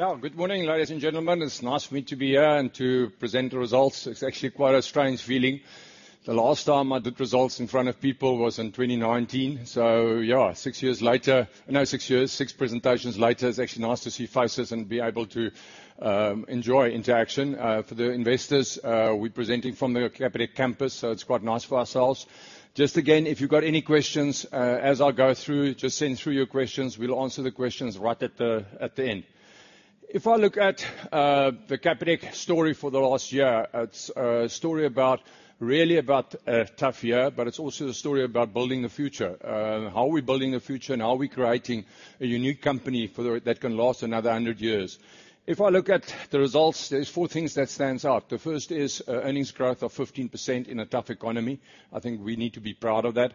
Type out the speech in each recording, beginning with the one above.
Yeah. Good morning, ladies and gentlemen. It's nice for me to be here and to present the results. It's actually quite a strange feeling. The last time I did results in front of people was in 2019, so yeah, six years later. No six years, six presentations later, it's actually nice to see faces and be able to enjoy interaction. For the investors, we're presenting from the Capitec campus, so it's quite nice for ourselves. Just again, if you've got any questions, as I go through, just send through your questions. We'll answer the questions right at the end. If I look at the Capitec story for the last year, it's a story about, really about a tough year, but it's also a story about building a future. How are we building a future and how are we creating a unique company for the, that can last another 100 years. If I look at the results, there's four things that stands out. The first is earnings growth of 15% in a tough economy. I think we need to be proud of that.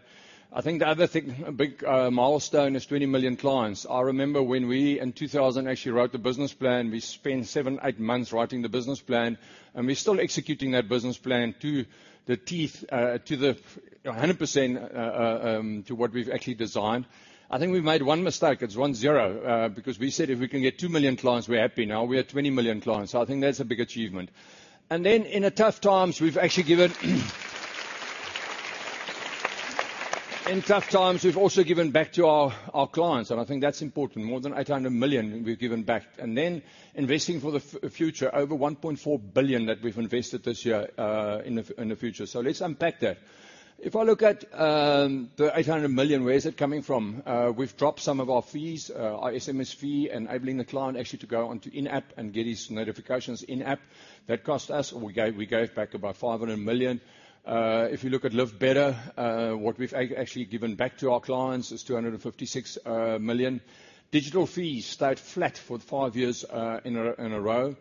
I think the other thing, a big milestone, is 20 million clients. I remember when we, in 2000, actually wrote the business plan. We spent seven, eight months writing the business plan, and we're still executing that business plan to the teeth, to the 100%, to what we've actually designed. I think we made one mistake. It's one zero. Because we said if we can get two million clients, we're happy. Now we're at 20 million clients. I think that's a big achievement. In tough times, we've also given back to our clients. I think that's important. More than 800 million we've given back. Investing for the future. Over 1.4 billion that we've invested this year in the future. Let's unpack that. If I look at the 800 million, where is it coming from? We've dropped some of our fees. Our SMS fee, enabling the client actually to go onto in-app and get his notifications in-app. That cost us, we gave back about 500 million. If you look at Live Better, what we've actually given back to our clients is 256 million. Digital fees stayed flat for five years in a row.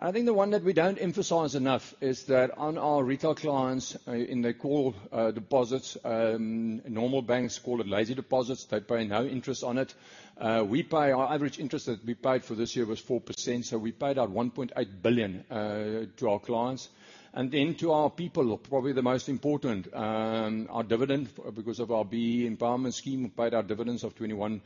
I think the one that we don't emphasize enough is that on our retail clients, in the core deposits, normal banks call it lazy deposits, they pay no interest on it. We pay our average interest that we paid for this year was 4%, so we paid out 1.8 billion to our clients. To our people, probably the most important, our dividend because of our BEE empowerment scheme, we paid our dividends of 21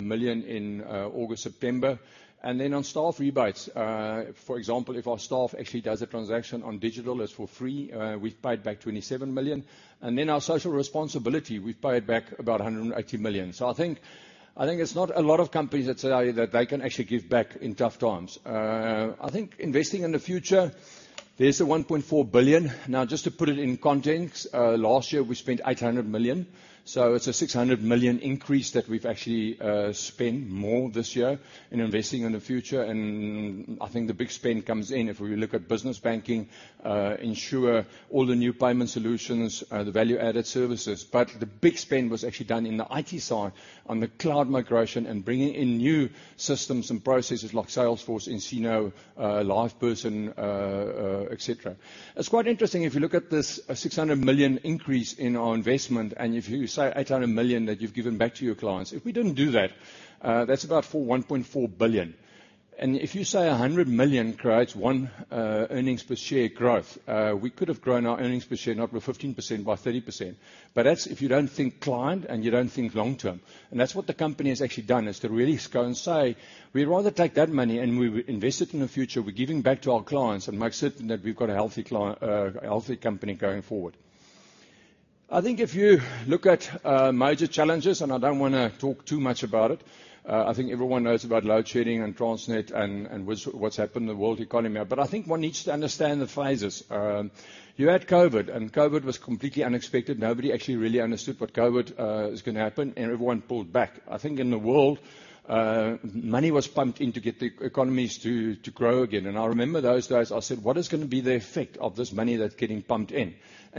million in August, September. On staff rebates, for example, if our staff actually does a transaction on digital, it's for free. We've paid back 27 million. Our social responsibility, we've paid back about 180 million. I think it's not a lot of companies that say that they can actually give back in tough times. I think investing in the future, there's a 1.4 billion. Now, just to put it in context, last year we spent 800 million. It's a 600 million increase that we've actually spent more this year in investing in the future. I think the big spend comes in if we look at business banking, Insure all the new payment solutions, the value-added services. The big spend was actually done in the IT side on the cloud migration and bringing in new systems and processes like Salesforce, nCino, LivePerson, et cetera. It's quite interesting, if you look at this, 600 million increase in our investment, if you say 800 million that you've given back to your clients, if we didn't do that's about 1.4 billion. If you say 100 million creates one earnings per share growth, we could have grown our earnings per share not by 15%, by 30%. That's if you don't think client and you don't think long term. That's what the company has actually done, is to really go and say, "We'd rather take that money and we invest it in the future. We're giving back to our clients and make certain that we've got a healthy company going forward. I think if you look at major challenges, I don't want to talk too much about it. I think everyone knows about load shedding and Transnet and what's happened in the world economy. I think one needs to understand the phases. You had COVID was completely unexpected. Nobody actually really understood what COVID is going to happen. Everyone pulled back. I think in the world, money was pumped in to get the economies to grow again. I remember those days I said, "What is going to be the effect of this money that's getting pumped in?"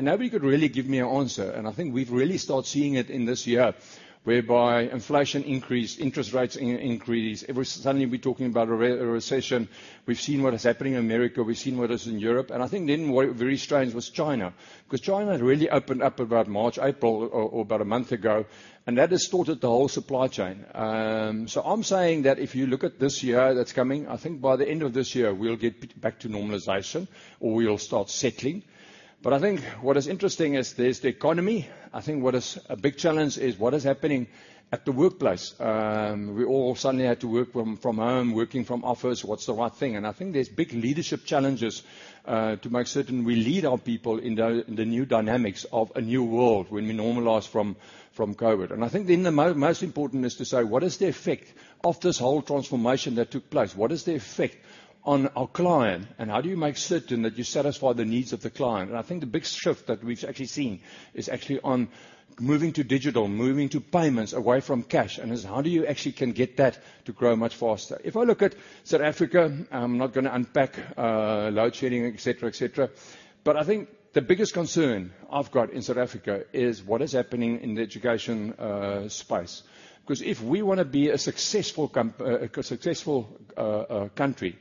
Nobody could really give me an answer. I think we've really started seeing it in this year, whereby inflation increased, interest rates increased. Every suddenly we're talking about a recession. We've seen what is happening in America. We've seen what is in Europe. I think then what, very strange was China. Because China had really opened up about March, April or about a month ago. That distorted the whole supply chain. I'm saying that if you look at this year that's coming, I think by the end of this year we'll get back to normalization or we'll start settling. I think what is interesting is there's the economy. I think what is a big challenge is what is happening at the workplace. We all suddenly had to work from home, working from office. What's the right thing? I think there's big leadership challenges to make certain we lead our people in the new dynamics of a new world when we normalize from COVID. I think the most important is to say, what is the effect of this whole transformation that took place? What is the effect on our client, and how do you make certain that you satisfy the needs of the client? I think the big shift that we've actually seen is actually on moving to digital, moving to payments away from cash. Is how do you actually can get that to grow much faster? If I look at South Africa, I'm not gonna unpack load shedding, et cetera, et cetera. I think the biggest concern I've got in South Africa is what is happening in the education space. 'Cause if we wanna be a successful country,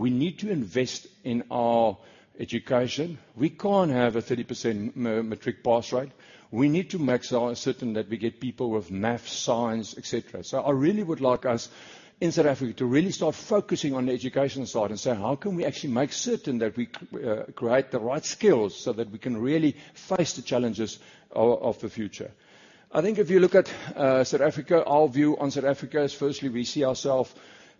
we need to invest in our education. We can't have a 30% matric pass rate. We need to maximize, certain that we get people with math, science, et cetera. I really would like us in South Africa to really start focusing on the education side and say, how can we actually make certain that we create the right skills so that we can really face the challenges of the future? I think if you look at, South Africa, our view on South Africa is firstly we see ourself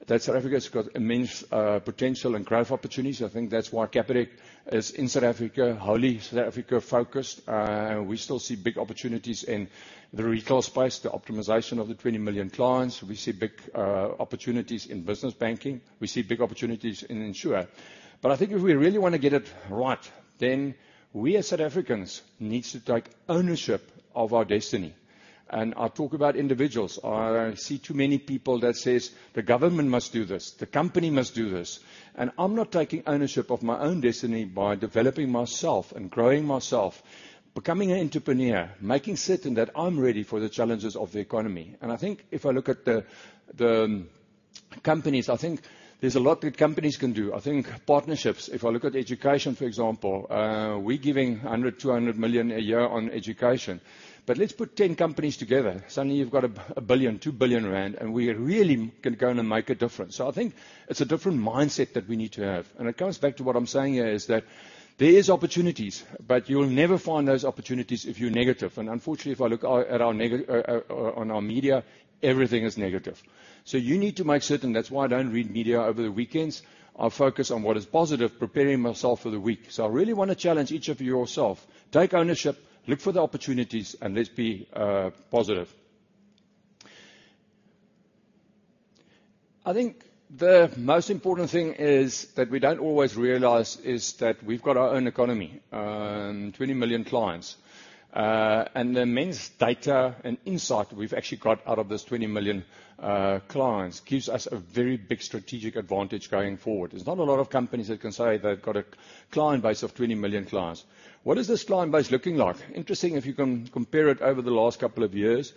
that South Africa's got immense, potential and growth opportunities. I think that's why Capitec is in South Africa, wholly South Africa focused. We still see big opportunities in the retail space, the optimization of the 20 million clients. We see big opportunities in business banking. We see big opportunities in insure. I think if we really wanna get it right, then we as South Africans needs to take ownership of our destiny. I talk about individuals. I see too many people that says, "The government must do this. The company must do this." I'm not taking ownership of my own destiny by developing myself and growing myself. Becoming an entrepreneur, making certain that I'm ready for the challenges of the economy. I think if I look at the companies, I think there's a lot that companies can do. I think partnerships. If I look at education, for example, we're giving 100 million, 200 million a year on education. Let's put 10 companies together. Suddenly you've got 1 billion, 2 billion rand, and we really can go in and make a difference. I think it's a different mindset that we need to have. It comes back to what I'm saying here is that there is opportunities, but you'll never find those opportunities if you're negative. Unfortunately, if I look at our media, everything is negative. You need to make certain. That's why I don't read media over the weekends. I'll focus on what is positive, preparing myself for the week. I really wanna challenge each of you yourself, take ownership, look for the opportunities, and let's be positive. I think the most important thing is that we don't always realize, is that we've got our own economy. 20 million clients. The immense data and insight we've actually got out of these 20 million clients gives us a very big strategic advantage going forward. There's not a lot of companies that can say they've got a client base of 20 million clients. What is this client base looking like? Interesting, if you can compare it over the last couple of years,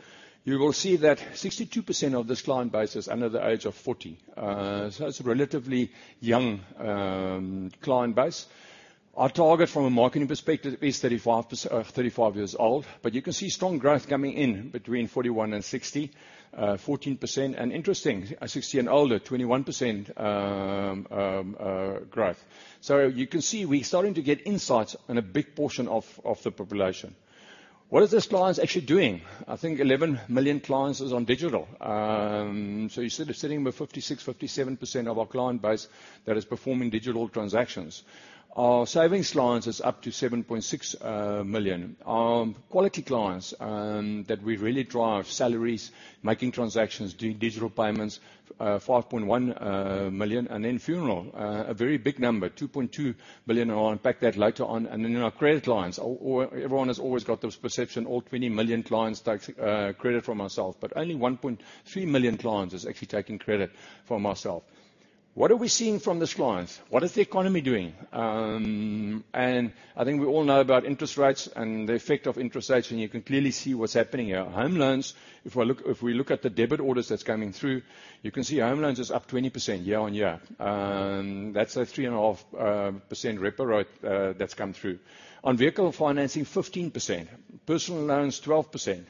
you will see that 62% of this client base is under the age of 40. It's a relatively young client base. Our target from a marketing perspective is 35 years old, but you can see strong growth coming in between 41 and 60, 14%. Interesting, 60 and older, 21% growth. You can see we're starting to get insights in a big portion of the population. What is this client actually doing? I think 11 million clients is on digital. You're sitting with 56%-57% of our client base that is performing digital transactions. Our savings clients is up to 7.6 million. Our quality clients, that we really drive, salaries, making transactions, doing digital payments, 5.1 million. Funeral, a very big number, 2.2 billion, and I'll unpack that later on. Our credit clients. Everyone has always got this perception, all 20 million clients takes credit from ourself, but only 1.3 million clients is actually taking credit from ourself. What are we seeing from these clients? What is the economy doing? I think we all know about interest rates and the effect of interest rates, and you can clearly see what's happening here. Home loans, if we look at the debit orders that's coming through, you can see home loans is up 20% year-on-year. That's a 3.5% repo rate that's come through. On vehicle financing, 15%. Personal loans, 12%.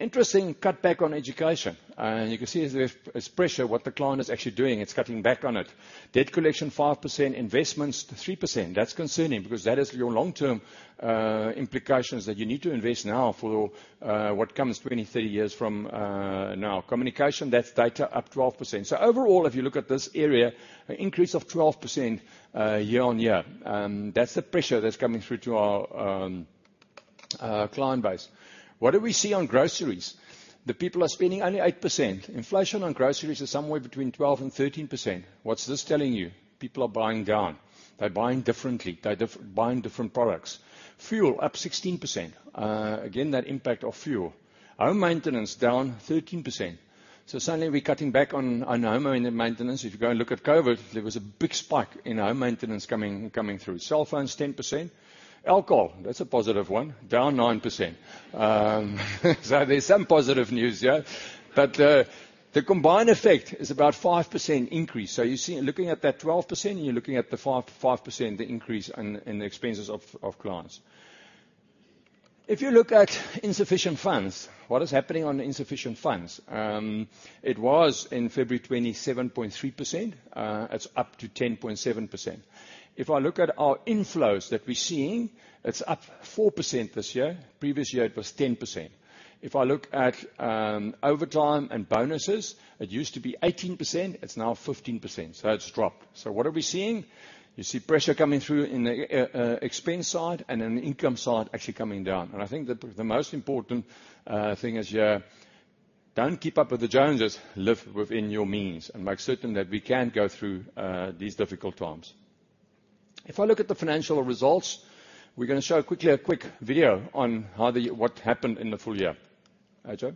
Interesting cutback on education. You can see there's pressure what the client is actually doing. It's cutting back on it. Debt collection, 5%. Investments, 3%. That's concerning because that is your long-term implications that you need to invest now for what comes 20, 30 years from now. Communication, that's data, up 12%. Overall, if you look at this area, an increase of 12% year-on-year. That's the pressure that's coming through to our client base. What do we see on groceries? The people are spending only 8%. Inflation on groceries is somewhere between 12%-13%. What's this telling you? People are buying down. They're buying differently. They're buying different products. Fuel, up 16%. Again, that impact of fuel. Home maintenance, down 13%. Suddenly we're cutting back on home maintenance. If you go and look at COVID, there was a big spike in home maintenance coming through. Cell phones, 10%. Alcohol, that's a positive one, down 9%. There's some positive news, yeah. The combined effect is about 5% increase. You see, looking at that 12%, you're looking at the 5% increase in the expenses of clients. If you look at insufficient funds, what is happening on the insufficient funds? It was, in February, 27.3%. It's up to 10.7%. If I look at our inflows that we're seeing, it's up 4% this year. Previous year it was 10%. If I look at overtime and bonuses, it used to be 18%. It's now 15%. It's dropped. What are we seeing? You see pressure coming through in the expense side and in the income side actually coming down. I think the most important thing is, don't keep up with the Joneses. Live within your means and make certain that we can go through these difficult times. If I look at the financial results, we're gonna show quickly a quick video on what happened in the full year. All right, Joe.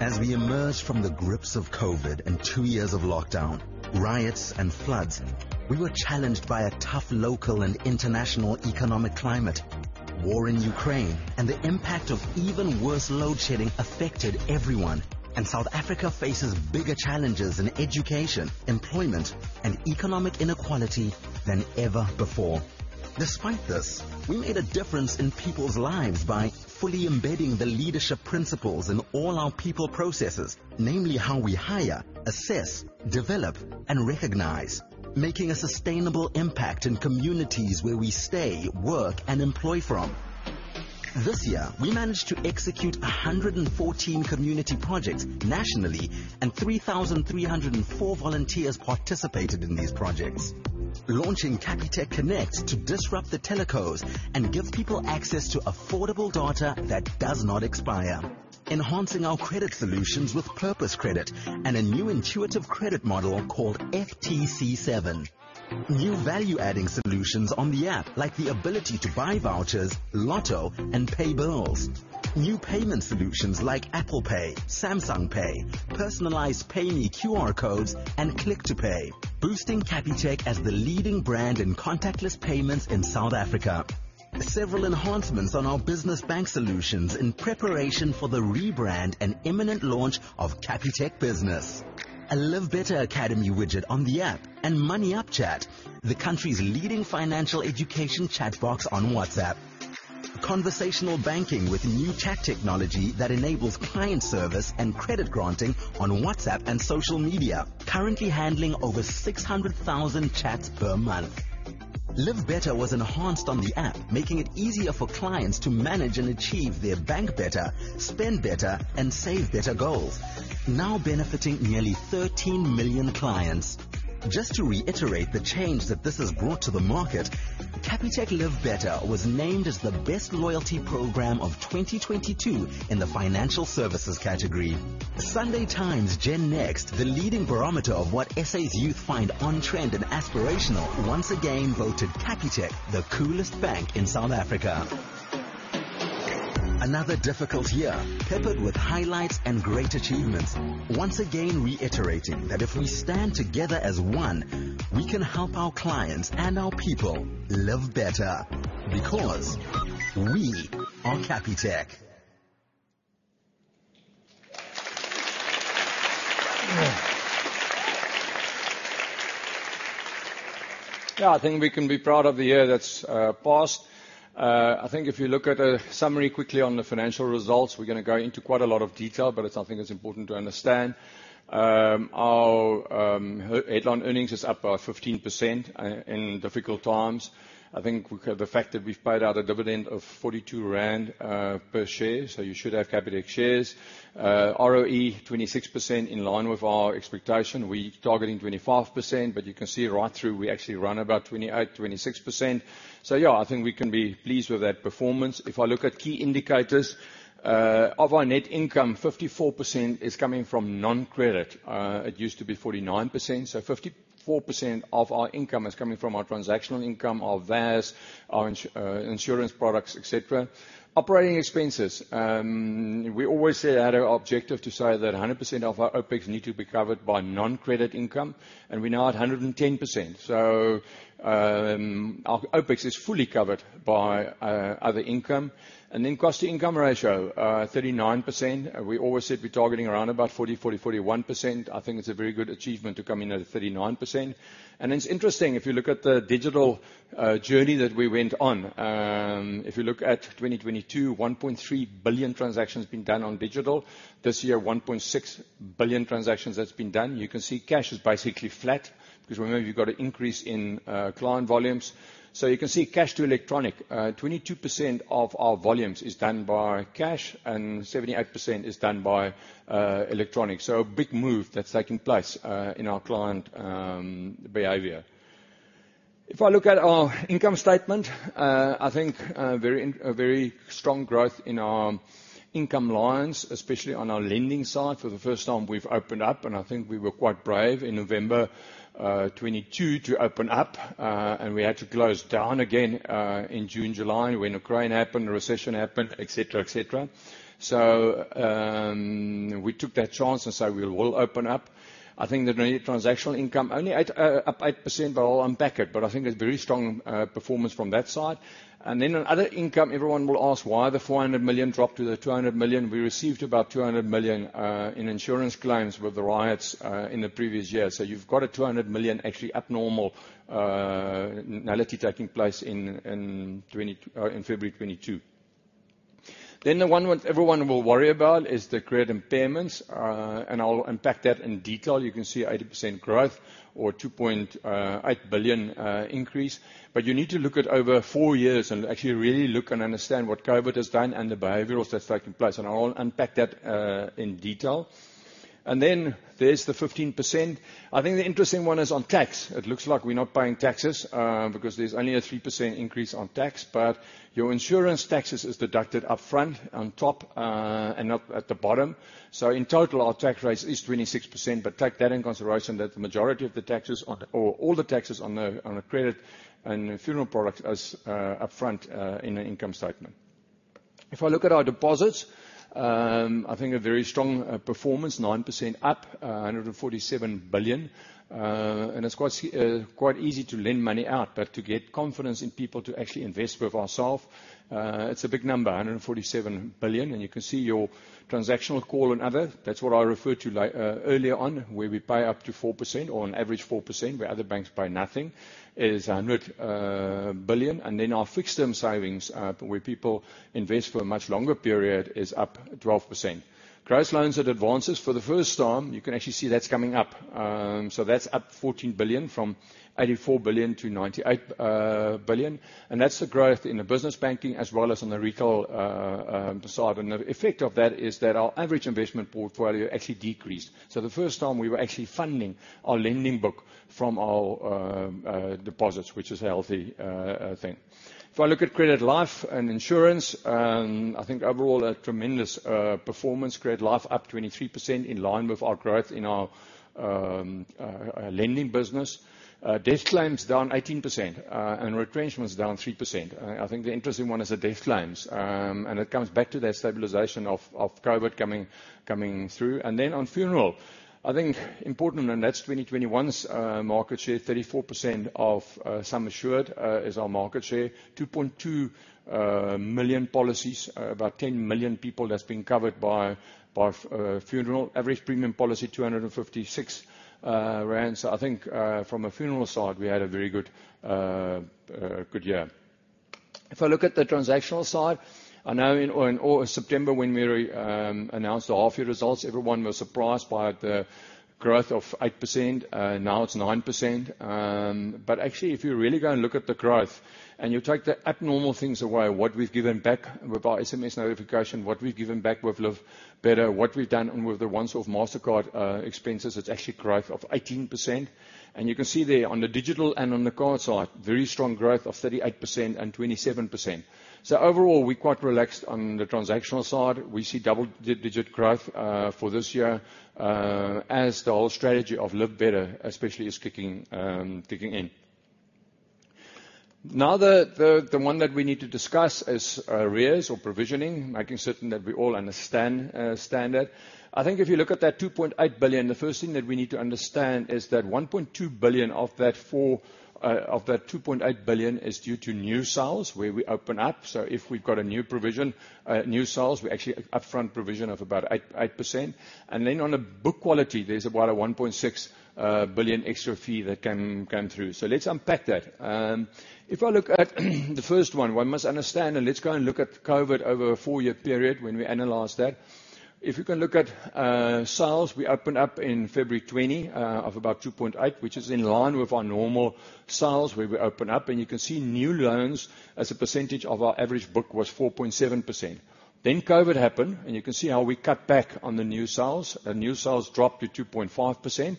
As we emerge from the grips of COVID and two years of lockdown, riots and floods, we were challenged by a tough local and international economic climate. War in Ukraine and the impact of even worse load shedding affected everyone, and South Africa faces bigger challenges in education, employment, and economic inequality than ever before. Despite this, we made a difference in people's lives by fully embedding the leadership principles in all our people processes, namely how we hire, assess, develop, and recognize. Making a sustainable impact in communities where we stay, work, and employ from. This year, we managed to execute 114 community projects nationally, and 3,304 volunteers participated in these projects. Launching Capitec Connect to disrupt the telecos and give people access to affordable data that does not expire. Enhancing our credit solutions with purpose credit and a new intuitive credit model called FTC7. New value-adding solutions on the app, like the ability to buy vouchers, lotto, and pay bills. New payment solutions like Apple Pay, Samsung Pay, personalized Pay Me QR codes, and Click to Pay, boosting Capitec as the leading brand in contactless payments in South Africa. Several enhancements on our business bank solutions in preparation for the rebrand and imminent launch of Capitec Business. A Live Better Academy widget on the app and MoneyUp chat, the country's leading financial education chat box on WhatsApp. Conversational banking with new chat technology that enables client service and credit granting on WhatsApp and social media. Currently handling over 600,000 chats per month. Live Better was enhanced on the app, making it easier for clients to manage and achieve their bank better, spend better, and save better goals. Now benefiting nearly 13 million clients. Just to reiterate the change that this has brought to the market, Capitec Live Better was named as the best loyalty program of 2022 in the financial services category. Sunday Times GenNext, the leading barometer of what SA's youth find on trend and aspirational, once again voted Capitec the coolest bank in South Africa. Another difficult year peppered with highlights and great achievements. Once again reiterating that if we stand together as one, we can help our clients and our people live better because we are Capitec. I think we can be proud of the year that's passed. I think if you look at a summary quickly on the financial results, we're gonna go into quite a lot of detail, but it's something that's important to understand. Our headline earnings is up by 15% in difficult times. I think the fact that we've paid out a dividend of 42 rand per share, you should have Capitec shares. ROE 26% in line with our expectation. We targeting 25%, you can see right through, we actually run about 28%, 26%. I think we can be pleased with that performance. If I look at key indicators of our net income, 54% is coming from non-credit. It used to be 49%. 54% of our income is coming from our transactional income, our VAS, our insurance products, et cetera. Operating expenses. We always say that our objective to say that 100% of our OpEx need to be covered by non-credit income, we're now at 110%. Our OpEx is fully covered by other income. Cost to income ratio, 39%. We always said we're targeting around about 40-41%. I think it's a very good achievement to come in at 39%. It's interesting, if you look at the digital journey that we went on. If you look at 2022, 1.3 billion transactions being done on digital. This year, 1.6 billion transactions that's been done. You can see cash is basically flat because remember you've got an increase in client volumes. You can see cash to electronic. 22% of our volumes is done by cash, and 78% is done by electronic. A big move that's taking place in our client behavior. If I look at our income statement, I think a very strong growth in our income lines, especially on our lending side. For the first time we've opened up, and I think we were quite brave in November 2022 to open up. We had to close down again in June, July, when Ukraine happened, recession happened, et cetera, et cetera. We took that chance and said, "We will open up." I think the transactional income only up 8%, but I'll unpack it, but I think it's very strong performance from that side. On other income, everyone will ask why the 400 million dropped to the 200 million. We received about 200 million in insurance claims with the riots in the previous year. You've got a 200 million actually abnormal normality taking place in February 2022. The one what everyone will worry about is the credit impairments, and I'll unpack that in detail. You can see 80% growth or 2.8 billion increase. You need to look at over four years and actually really look and understand what COVID has done and the behavioral that's taking place, and I'll unpack that in detail. There's the 15%. I think the interesting one is on tax. It looks like we're not paying taxes, because there's only a 3% increase on tax. Your insurance taxes is deducted up front, on top, and not at the bottom. In total, our tax rate is 26%, but take that in consideration that the majority of the taxes on or all the taxes on the credit and funeral products as up front in the income statement. If I look at our deposits, I think a very strong performance, 9% up, 147 billion. It's quite easy to lend money out, but to get confidence in people to actually invest with ourself, it's a big number, 147 billion. You can see your transactional call and other. That's what I referred to earlier on, where we pay up to 4% or on average 4%, where other banks pay nothing, is 100 billion. Then our fixed term savings, where people invest for a much longer period, is up 12%. Gross loans and advances. For the first time, you can actually see that's coming up. So that's up 14 billion, from 84 billion to 98 billion. That's the growth in the business banking as well as on the retail side. The effect of that is that our average investment portfolio actually decreased. The first time we were actually funding our lending book from our deposits, which is a healthy thing. If I look at Credit Life and insurance, I think overall a tremendous performance. Credit Life up 23% in line with our growth in our lending business. Death claims down 18% and retrenchments down 3%. I think the interesting one is the death claims. It comes back to that stabilization of COVID coming through. On funeral, I think important in that 2021's market share, 34% of sum assured is our market share. 2.2 million policies, about 10 million people that's been covered by funeral. Average premium policy, 256 rand. I think, from a funeral side, we had a very good year. If I look at the transactional side, I know in September when we announced the half-year results, everyone was surprised by the growth of 8%, now it's 9%. Actually, if you really go and look at the growth and you take the abnormal things away, what we've given back with our SMS notification, what we've given back with Live Better, what we've done with the once-off Mastercard expenses, it's actually growth of 18%. You can see there on the digital and on the card side, very strong growth of 38% and 27%. Overall, we're quite relaxed on the transactional side. We see double-digit growth for this year as the whole strategy of Live Better especially is kicking in. The one that we need to discuss is arrears or provisioning, making certain that we all understand standard. I think if you look at that 2.8 billion, the first thing that we need to understand is that 1.2 billion of that 2.8 billion is due to new sales where we open up. If we've got a new provision, new sales, we actually upfront provision of about 8%. On a book quality, there's about a 1.6 billion extra fee that can come through. Let's unpack that. If I look at the first one must understand, let's go and look at COVID over a four-year period when we analyze that. If you can look at sales, we opened up in February 2020 of about 2.8 billion, which is in line with our normal sales, where we open up. You can see new loans as a percentage of our average book was 4.7%. COVID happened, and you can see how we cut back on the new sales. The new sales dropped to 2.5%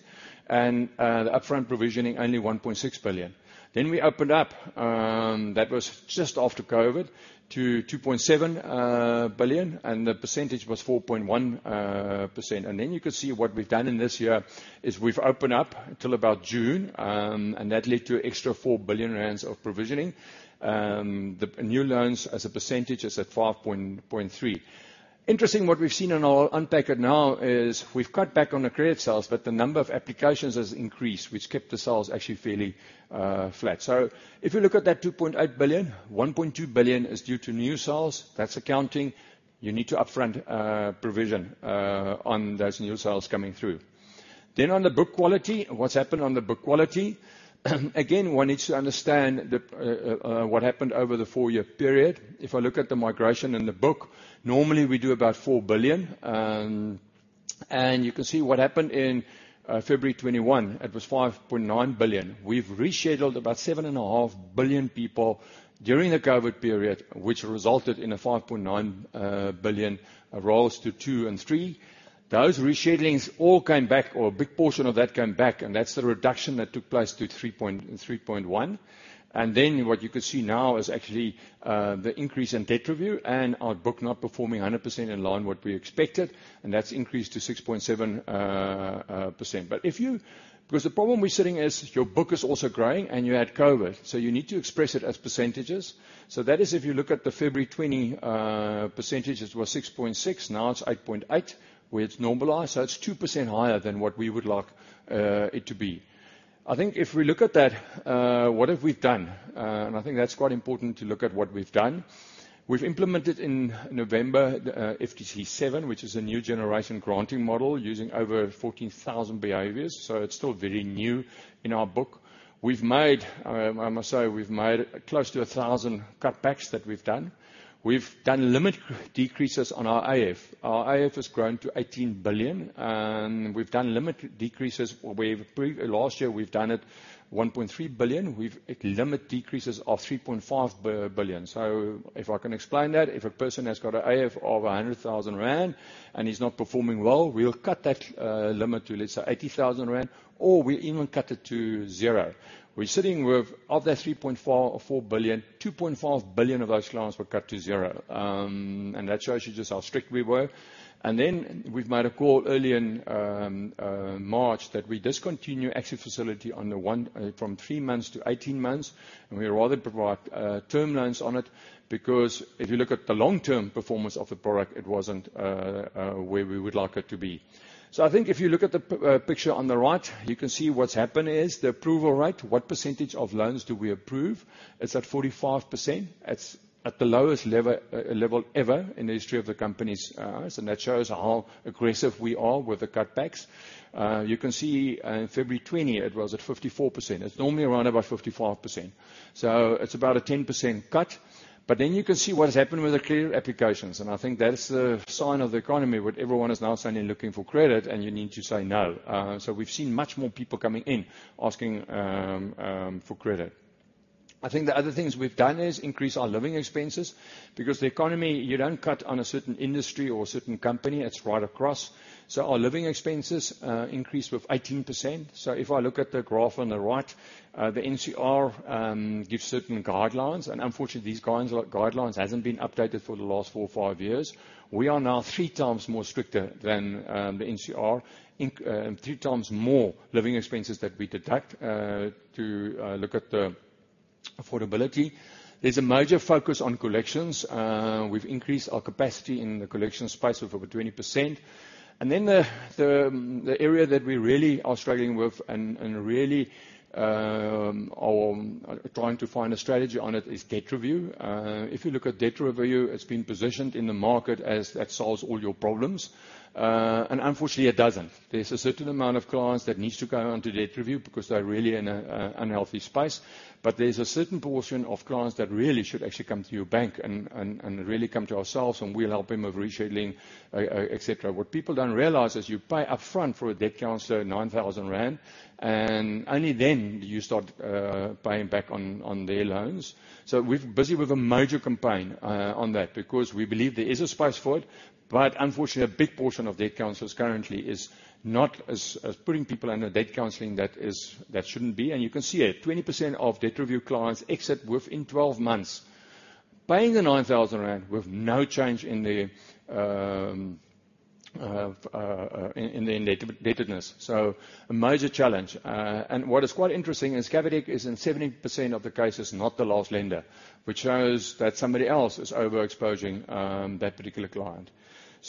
and the upfront provisioning only 1.6 billion. We opened up, that was just after COVID, to 2.7 billion, and the percentage was 4.1%. You can see what we've done in this year is we've opened up till about June, and that led to extra 4 billion rand of provisioning. The new loans as a percentage is at 5.3%. Interesting what we've seen, and I'll unpack it now, is we've cut back on the credit sales, but the number of applications has increased, which kept the sales actually fairly flat. If you look at that 2.8 billion, 1.2 billion is due to new sales. That's accounting. You need to upfront provision on those new sales coming through. On the book quality, what's happened on the book quality? Again, one needs to understand what happened over the four-year period. If I look at the migration in the book, normally we do about 4 billion. You can see what happened in February 2021, it was 5.9 billion. We've rescheduled about 7.5 billion people during the COVID period, which resulted in a 5.9 billion rolls to 2 and 3. Those reschedulings all came back, or a big portion of that came back, and that's the reduction that took place to 3.1. What you can see now is actually the increase in debt review and our book not performing 100% in line what we expected, and that's increased to 6.7%. Because the problem we're sitting is your book is also growing and you add COVID, so you need to express it as percentages. That is if you look at the February 20%, it was 6.6%, now it's 8.8%, where it's normalized. It's 2% higher than what we would like it to be. I think if we look at that, what have we done? I think that's quite important to look at what we've done. We've implemented in November the FTC7, which is a new generation granting model using over 14,000 behaviors. It's still very new in our book. We've made, I must say we've made close to 1,000 cutbacks that we've done. We've done limit decreases on our AF. Our AF has grown to 18 billion. We've done limit decreases where last year we've done it 1.3 billion. We've limit decreases of 3.5 billion. If I can explain that. If a person has got an AF of 100,000 rand and he's not performing well, we'll cut that limit to, let's say 80,000 rand, or we even cut it to zero. We're sitting with, of that 3.4 billion-4 billion, 2.5 billion of those loans were cut to zero. That shows you just how strict we were. We've made a call early in March that we discontinue exit facility on the one from three months to 18 months, and we rather provide term loans on it. If you look at the long-term performance of the product, it wasn't where we would like it to be. I think if you look at the picture on the right, you can see what's happened is the approval rate, what percentage of loans do we approve? It's at 45%. It's at the lowest level ever in the history of the company's, that shows how aggressive we are with the cutbacks. You can see in February 20, it was at 54%. It's normally around about 55%. It's about a 10% cut. You can see what has happened with the clear applications, and I think that's the sign of the economy, where everyone is now suddenly looking for credit and you need to say no. We've seen much more people coming in asking for credit. I think the other things we've done is increase our living expenses because the economy, you don't cut on a certain industry or a certain company, it's right across. Our living expenses increased with 18%. If I look at the graph on the right, the NCR gives certain guidelines, and unfortunately, these guidelines hasn't been updated for the last four or five years. We are now three times more stricter than the NCR three times more living expenses that we deduct to look at Affordability. There's a major focus on collections. We've increased our capacity in the collection space of over 20%. The area that we really are struggling with and really are trying to find a strategy on it is debt review. If you look at debt review, it's been positioned in the market as it solves all your problems. Unfortunately, it doesn't. There's a certain amount of clients that needs to go onto debt review because they're really in a unhealthy space. There's a certain portion of clients that really should actually come to your bank and really come to ourselves, and we'll help them with rescheduling, et cetera. What people don't realize is you pay upfront for a debt counselor 9,000 rand, and only then you start paying back on their loans. We're busy with a major campaign on that because we believe there is a space for it. Unfortunately, a big portion of debt counselors currently is not putting people under debt counseling that shouldn't be. You can see it. 20% of debt review clients exit within 12 months, paying the 9,000 rand with no change in their indebtedness. A major challenge. What is quite interesting is Capitec is in 70% of the cases, not the last lender. Which shows that somebody else is overexposing that particular client.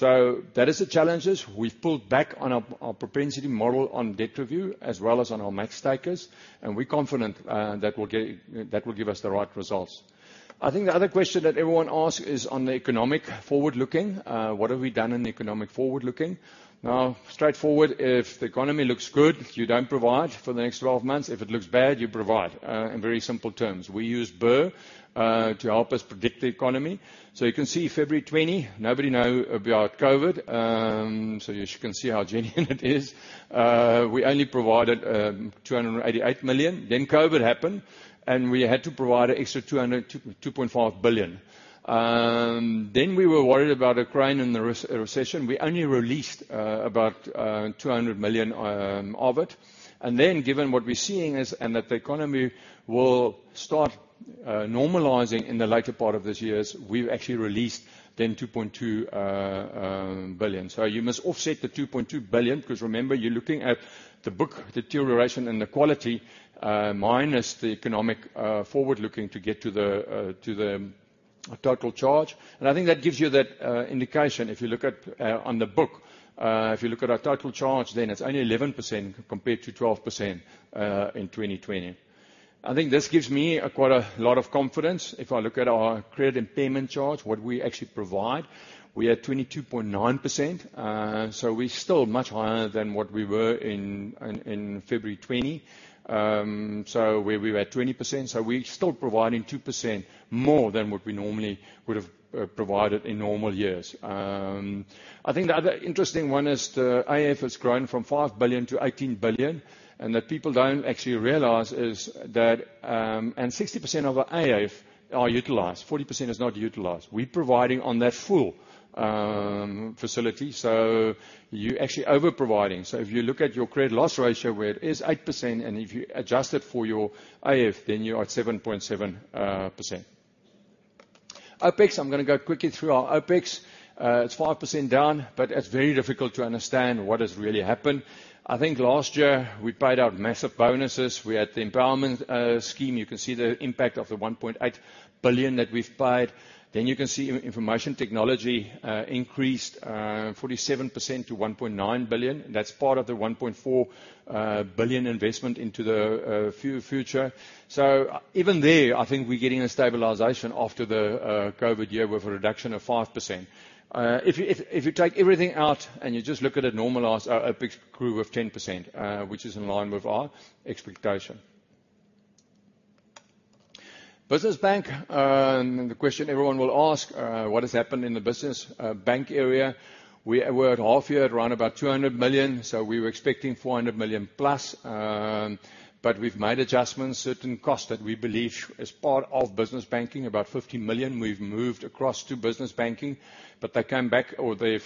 That is the challenges. We've pulled back on our propensity model on debt review as well as on our max takers. We're confident that will give us the right results. I think the other question that everyone asks is on the economic forward-looking. What have we done in the economic forward-looking? Now straightforward, if the economy looks good, you don't provide for the next 12 months. If it looks bad, you provide. In very simple terms. We use BER to help us predict the economy. You can see February 2020, nobody know about COVID. As you can see how genuine it is. We only provided 288 million. COVID happened, and we had to provide an extra 2.5 billion. We were worried about Ukraine and the re-recession. We only released about 200 million of it. Given what we're seeing is, and that the economy will start normalizing in the later part of this years, we've actually released then 2.2 billion. You must offset the 2.2 billion, 'cause remember, you're looking at the book deterioration and the quality, minus the economic forward-looking to get to the total charge. I think that gives you that indication. If you look at on the book, if you look at our total charge, then it's only 11% compared to 12% in 2020. I think this gives me quite a lot of confidence. If I look at our credit and payment charge, what we actually provide, we are at 22.9%. So we're still much higher than what we were in February 2020. So where we were at 20%, so we're still providing 2% more than what we normally would've provided in normal years. I think the other interesting one is the AF has grown from 5 billion to 18 billion. That people don't actually realize is that 60% of the AF are utilized. 40% is not utilized. We providing on that full facility, you actually over providing. If you look at your credit loss ratio where it is 8%, and if you adjust it for your AF, then you're at 7.7%. OpEx. I'm gonna go quickly through our OpEx. It's 5% down, but it's very difficult to understand what has really happened. I think last year we paid out massive bonuses. We had the empowerment scheme. You can see the impact of the 1.8 billion that we've paid. You can see information technology increased 47% to 1.9 billion. That's part of the 1.4 billion investment into the future. Even there, I think we're getting a stabilization after the COVID year with a reduction of 5%. If you take everything out and you just look at it normalized, OpEx grew of 10%, which is in line with our expectation. Business Bank. The question everyone will ask, what has happened in the Business Bank area? We were at half-year at around about 200 million, we were expecting 400 million+. We've made adjustments. Certain costs that we believe is part of Business Banking, about 50 million, we've moved across to Business Banking. They came back, or the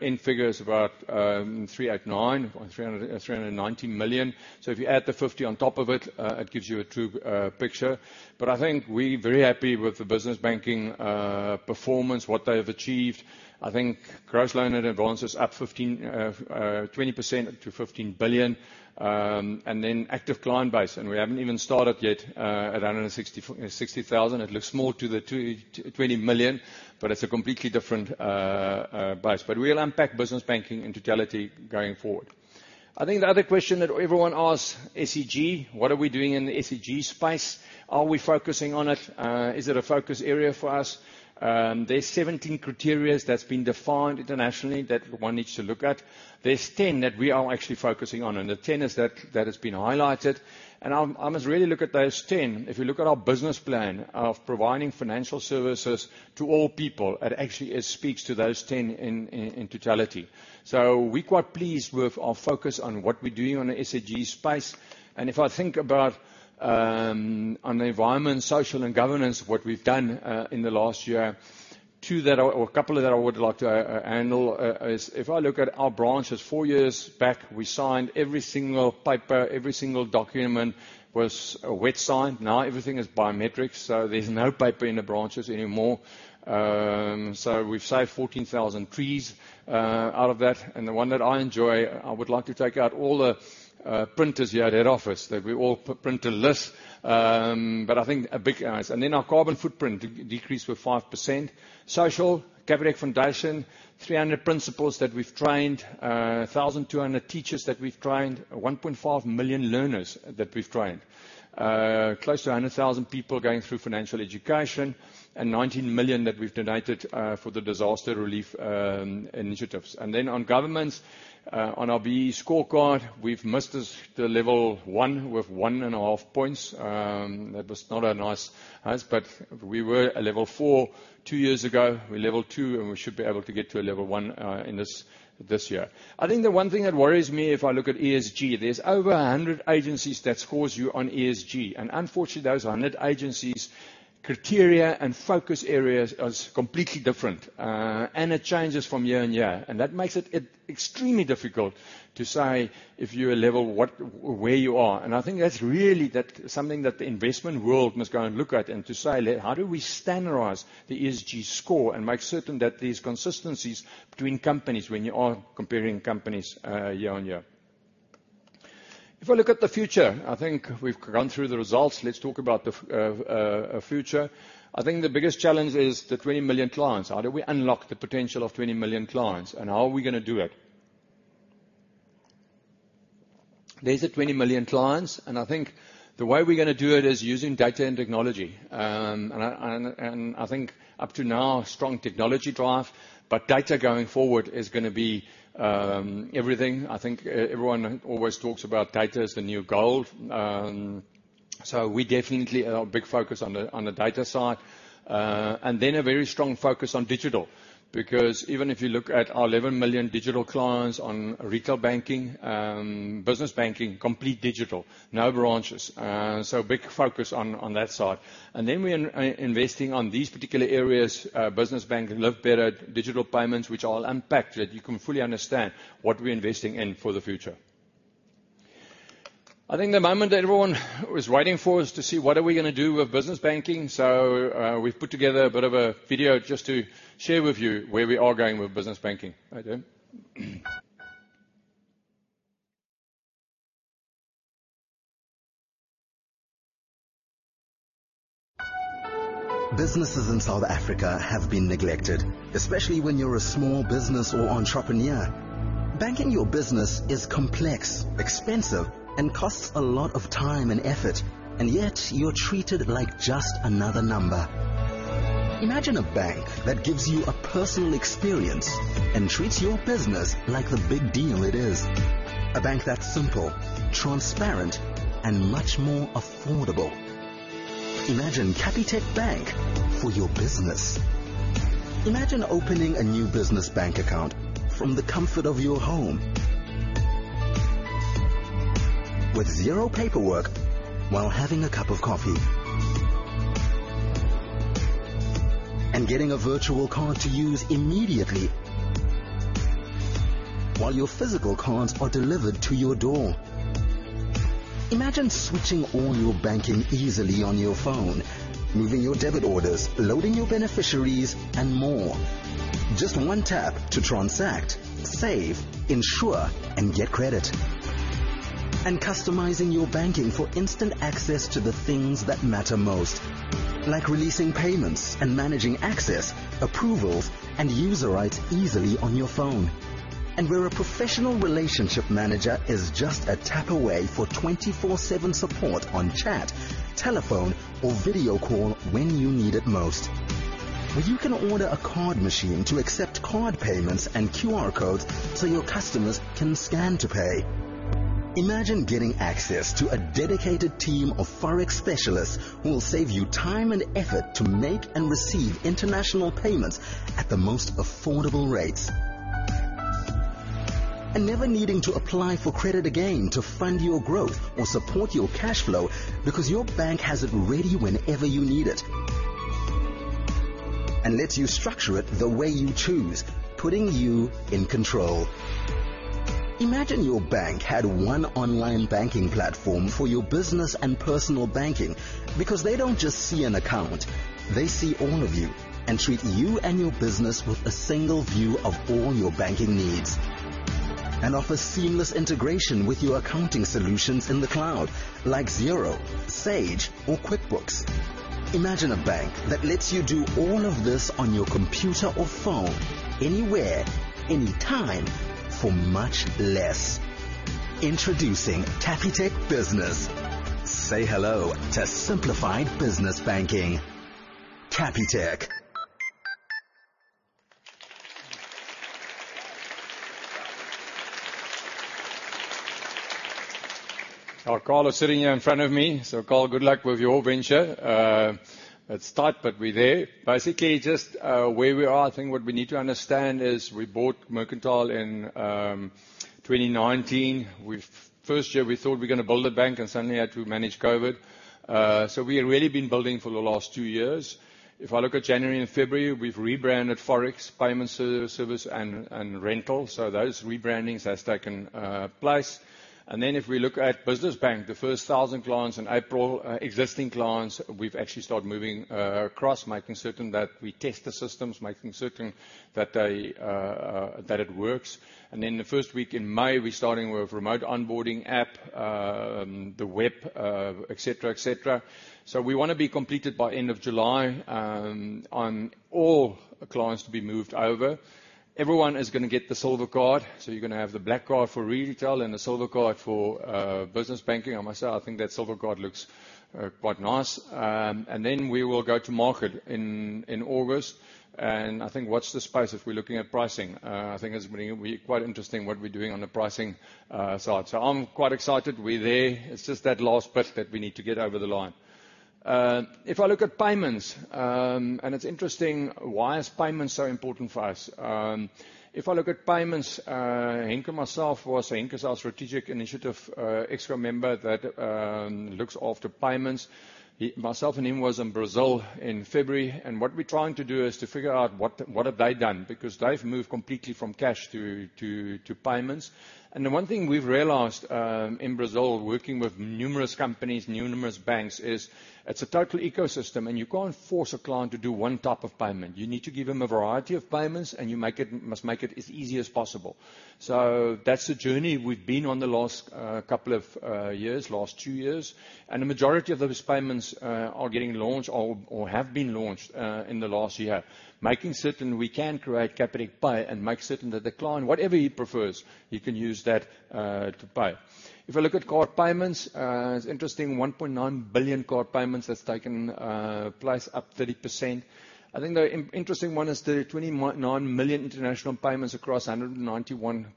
end figure is about 390 million. If you add the 50 on top of it gives you a true picture. I think we very happy with the Business Banking performance, what they have achieved. I think gross loan and advances up 15%, 20% to 15 billion. Then active client base, and we haven't even started yet, at 160,000. It looks small to the 20 million, but it's a completely different base. We'll unpack business banking in totality going forward. I think the other question that everyone asks, SEG, what are we doing in the SEG space? Are we focusing on it? Is it a focus area for us? There's 17 criteria that's been defined internationally that one needs to look at. There's 10 that we are actually focusing on, and the 10 is that has been highlighted. I must really look at those 10. If you look at our business plan of providing financial services to all people, it actually, it speaks to those 10 in totality. We quite pleased with our focus on what we're doing on the SEG space. If I think about on the environment, social and governance, what we've done in the last year, two that or a couple that I would like to handle, is if I look at our branches, four years back, we signed every single paper. Every single document was wet signed. Now everything is biometrics, so there's no paper in the branches anymore. We've saved 14,000 trees out of that. The one that I enjoy, I would like to take out all the printers here at head office, that we're all printer-less. I think a big areas. Our carbon footprint decreased with 5%. Social, Capitec Foundation 300 principals that we've trained, 1,200 teachers that we've trained, 1.5 million learners that we've trained. Close to 100,000 people going through financial education and 19 million that we've donated for the disaster relief initiatives. On governments, on our BEE scorecard, we've missed this, the level 1 with 1.5 points. That was not a nice, but we were a level 4 two years ago. We're level 2, and we should be able to get to a level 1 in this year. I think the one thing that worries me if I look at ESG, there's over 100 agencies that scores you on ESG. Unfortunately, those 100 agencies' criteria and focus areas is completely different. It changes from year on year. That makes it extremely difficult to say if you're a level what, where you are. I think that's really that something that the investment world must go and look at and to say that how do we standardize the ESG score and make certain that there's consistencies between companies when you are comparing companies, year on year. If I look at the future, I think we've gone through the results. Let's talk about the future. I think the biggest challenge is the 20 million clients. How do we unlock the potential of 20 million clients, and how are we gonna do it? There's the 20 million clients, I think the way we're gonna do it is using data and technology. And I think up to now, strong technology drive, but data going forward is gonna be everything. I think everyone always talks about data is the new gold. We definitely are a big focus on the data side. A very strong focus on digital because even if you look at our 11 million digital clients on retail banking, business banking, complete digital, no branches. Big focus on that side. We're investing on these particular areas, Business Bank, Live Better, digital payments, which I'll unpack so that you can fully understand what we're investing in for the future. The moment everyone was waiting for is to see what are we gonna do with business banking. We've put together a bit of a video just to share with you where we are going with business banking. Businesses in South Africa have been neglected, especially when you're a small business or entrepreneur. Banking your business is complex, expensive, and costs a lot of time and effort, and yet you're treated like just another number. Imagine a bank that gives you a personal experience and treats your business like the big deal it is. A bank that's simple, transparent, and much more affordable. Imagine Capitec Bank for your business. Imagine opening a new business bank account from the comfort of your home. With zero paperwork while having a cup of coffee. Getting a virtual card to use immediately while your physical cards are delivered to your door. Imagine switching all your banking easily on your phone, moving your debit orders, loading your beneficiaries, and more. Just one tap to transact, save, insure, and get credit. Customizing your banking for instant access to the things that matter most, like releasing payments and managing access, approvals, and user rights easily on your phone. Where a professional relationship manager is just a tap away for 24/7 support on chat, telephone, or video call when you need it most. Where you can order a card machine to accept card payments and QR codes so your customers can scan to pay. Imagine getting access to a dedicated team of Forex specialists who will save you time and effort to make and receive international payments at the most affordable rates. Never needing to apply for credit again to fund your growth or support your cash flow because your bank has it ready whenever you need it. Lets you structure it the way you choose, putting you in control. Imagine your bank had one online banking platform for your business and personal banking because they don't just see an account. They see all of you and treat you and your business with a single view of all your banking needs. Offer seamless integration with your accounting solutions in the cloud, like Xero, Sage, or QuickBooks. Imagine a bank that lets you do all of this on your computer or phone anywhere, anytime for much less. Introducing Capitec Business. Say hello to simplified business banking. Capitec. Carl is sitting here in front of me. Carl, good luck with your venture. It's tight, but we're there. Basically, just, where we are, I think what we need to understand is we bought Mercantile in 2019. First year, we thought we're going to build a bank, and suddenly had to manage COVID. We had really been building for the last two years. If I look at January and February, we've rebranded Forex, payment service, and rental. Those rebrandings has taken place. If we look at business bank, the first 1,000 clients in April, existing clients, we've actually started moving across, making certain that we test the systems, making certain that it works. The first week in May, we're starting with remote onboarding app, the web, et cetera, et cetera. We wanna be completed by end of July on all clients to be moved over. Everyone is gonna get the silver card. You're gonna have the black card for retail and the silver card for business banking. I must say, I think that silver card looks quite nice. Then we will go to market in August. I think watch this space if we're looking at pricing. I think it's gonna be quite interesting what we're doing on the pricing side. I'm quite excited. We're there. It's just that last bit that we need to get over the line. If I look at payments, it's interesting why is payments so important for us. If I look at payments, Henk and myself was, Henk is our strategic initiative exec member that looks after payments. He, myself and him was in Brazil in February, what we're trying to do is to figure out what have they done because they've moved completely from cash to payments. The one thing we've realized in Brazil, working with numerous companies, numerous banks, is it's a total ecosystem and you can't force a client to do one type of payment. You need to give them a variety of payments, and you must make it as easy as possible. That's the journey we've been on the last couple of years, last two years. The majority of those payments are getting launched or have been launched in the last year, making certain we can create Capitec Pay and make certain that the client, whatever he prefers, he can use that to pay. If I look at card payments, it's interesting 1.9 billion card payments has taken place up 30%. I think the interesting one is the 29 million international payments across 191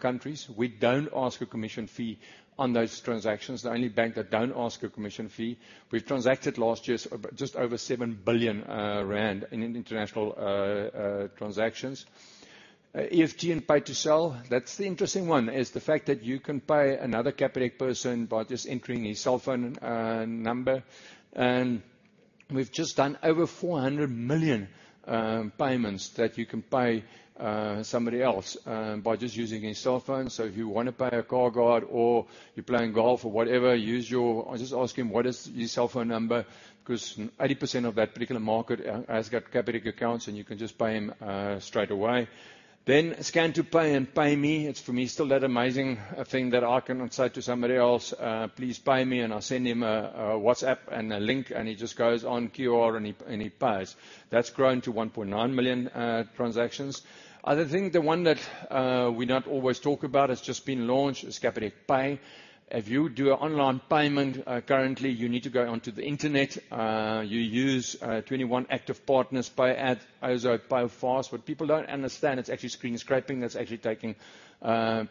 countries. We don't ask a commission fee on those transactions. The only bank that don't ask a commission fee. We've transacted last year just over 7 billion rand in international transactions. EFT and Pay to Cell, that's the interesting one, is the fact that you can pay another Capitec person by just entering his cell phone number. We've just done over 400 million payments that you can pay somebody else by just using a cell phone. If you wanna pay a car guard or you're playing golf or whatever, just ask him, "What is your cell phone number?" 'Cause 80% of that particular market has got Capitec accounts, and you can just pay him straight away. Scan to pay and Pay Me. It's for me, still that amazing thing that I can now say to somebody else, "Please pay me." I'll send him a WhatsApp and a link, and he just goes on QR and he pays. That's grown to 1.9 million transactions. Other thing, the one that we not always talk about, it's just been launched, is Capitec Pay. If you do an online payment, currently you need to go onto the internet. You use 21 active partners Pay@, Ozow, Payfast. What people don't understand, it's actually screen scraping that's actually taking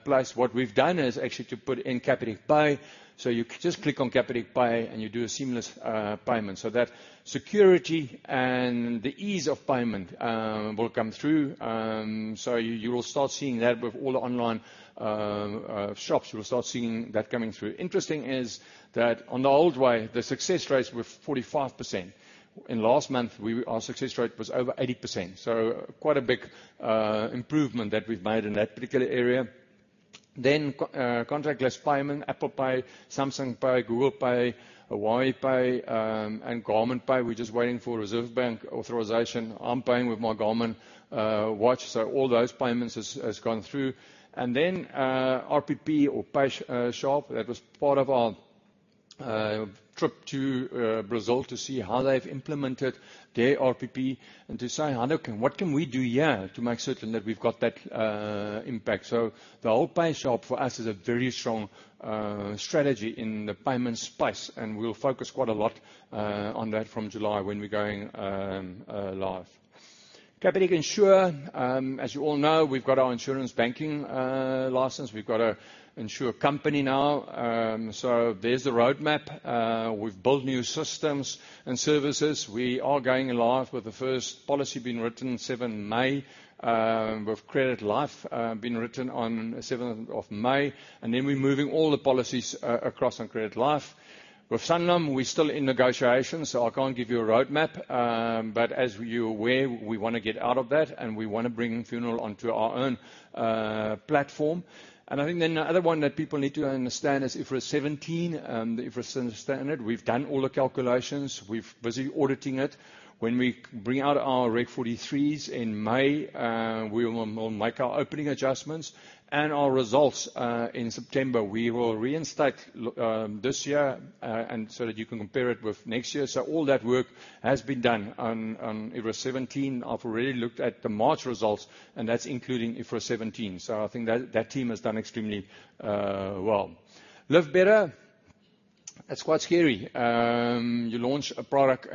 place. What we've done is actually to put in Capitec Pay. So you just click on Capitec Pay and you do a seamless payment. So that security and the ease of payment will come through. You will start seeing that with all the online shops. You will start seeing that coming through. Interesting is that on the old way, the success rates were 45%. In last month, we, our success rate was over 80%, so quite a big improvement that we've made in that particular area. Contactless payment, Apple Pay, Samsung Pay, Google Pay, Huawei Pay, and Garmin Pay. We're just waiting for Reserve Bank authorization. I'm paying with my Garmin watch. All those payments has gone through. RPP or PayShap. That was part of our trip to Brazil to see how they've implemented their RPP and to say, "How can, what can we do here to make certain that we've got that impact?" The whole PayShap for us is a very strong strategy in the payment space, and we'll focus quite a lot on that from July when we're going live. Capitec Insure, as you all know, we've got our insurance banking license. We've got a insure company now. There's the roadmap. We've built new systems and services. We are going live with the first policy being written 7th May, with Credit Life being written on 7th of May, and then we're moving all the policies across on Credit Life. With Sanlam, we're still in negotiations, so I can't give you a roadmap. As you're aware, we wanna get out of that, and we wanna bring funeral onto our own platform. I think then the other one that people need to understand is IFRS 17. The IFRS standard. We've done all the calculations. We've busy auditing it. When we bring out our REG 43s in May, we'll make our opening adjustments. Our results in September, we will reinstate this year, so that you can compare it with next year. All that work has been done on IFRS 17. I've already looked at the March results, that's including IFRS 17. I think that team has done extremely well. Live Better, it's quite scary. You launch a product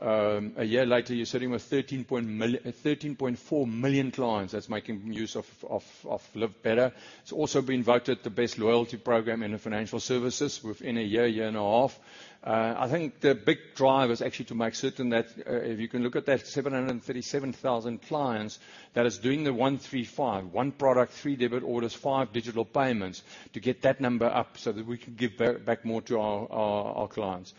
a year later, you're sitting with 13.4 million clients that's making use of Live Better. It's also been voted the best loyalty program in the financial services within a year and a half. I think the big drive is actually to make certain that if you can look at that 737,000 clients that is doing the one-three-five, one product, three debit orders, five digital payments, to get that number up so that we can give back more to our clients.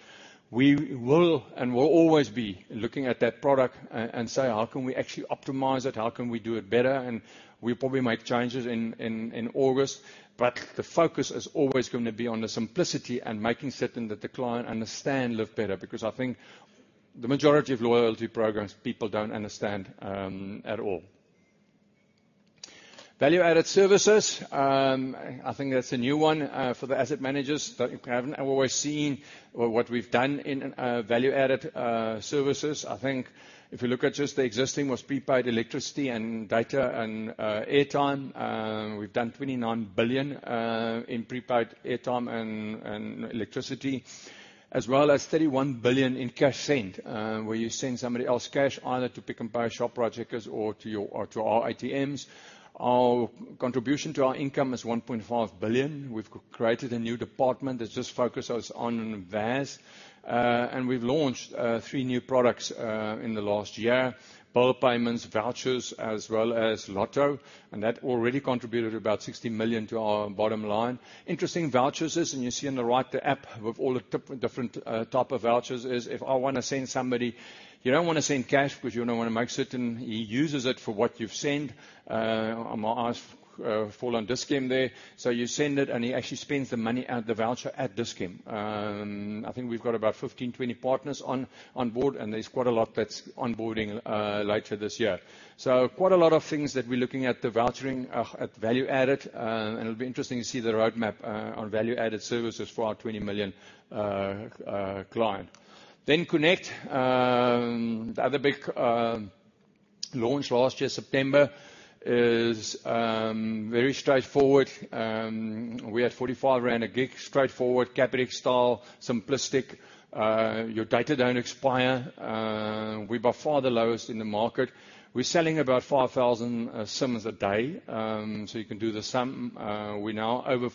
We will always be looking at that product and say: How can we actually optimize it? How can we do it better? We'll probably make changes in August, but the focus is always gonna be on the simplicity and making certain that the client understand Live Better, because I think the majority of loyalty programs, people don't understand at all. Value-added services. I think that's a new one for the asset managers. They haven't always seen what we've done in value-added services. I think if you look at just the existing was prepaid electricity and data and airtime. We've done 29 billion in prepaid airtime and electricity, as well as 31 billion in cash send, where you send somebody else cash either to Pick n Pay, Shoprite or to our ATMs. Our contribution to our income is 1.5 billion. We've created a new department that just focus us on VAS. We've launched three new products in the last year. Bill payments, vouchers, as well as lotto, that already contributed about 60 million to our bottom line. Interesting vouchers is, you see on the right the app with all the different type of vouchers is if I wanna send somebody, you don't wanna send cash because you don't wanna make certain he uses it for what you've sent. My eyes fall on Dis-Chem there. You send it, he actually spends the money at the voucher at Dis-Chem. I think we've got about 15, 20 partners on board, there's quite a lot that's onboarding later this year. Quite a lot of things that we're looking at the vouchering, at value added. It'll be interesting to see the roadmap on value-added services for our 20 million client. Connect. The other big launch last year, September, is very straightforward. We had 45 rand a gig, straightforward, Capitec style, simplistic. Your data don't expire. We're by far the lowest in the market. We're selling about 5,000 SIMs a day, so you can do the sum. We're now over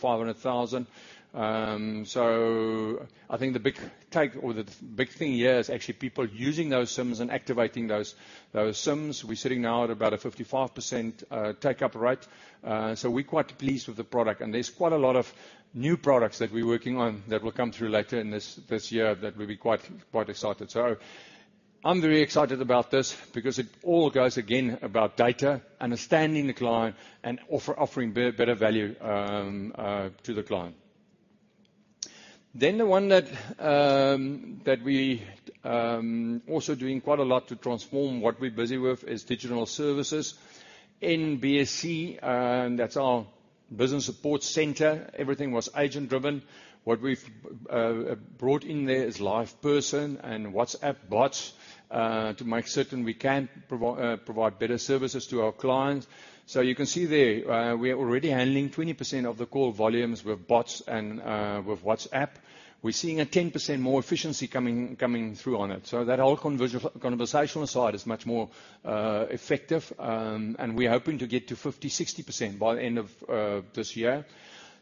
500,000. I think the big take or the big thing here is actually people using those SIMs and activating those SIMs. We're sitting now at about a 55% take-up rate. We're quite pleased with the product, and there's quite a lot of new products that we're working on that will come through later in this year that we'll be quite excited. I'm very excited about this because it all goes again about data, understanding the client and offering better value to the client. The one that we also doing quite a lot to transform what we're busy with is digital services. NBC, that's our business support center. Everything was agent-driven. What we've brought in there is LivePerson and WhatsApp bots to make certain we can provide better services to our clients. You can see there, we are already handling 20% of the call volumes with bots and with WhatsApp. We're seeing a 10% more efficiency coming through on it. That whole conversational side is much more effective, and we're hoping to get to 50%-60% by end of this year.